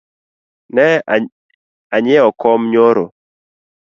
Na nyiewo kom nyoro